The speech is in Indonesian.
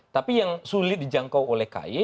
tapi yang sulit dijangkau oleh kay